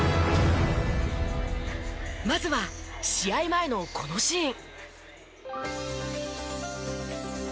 まずは試合前のこのシーン。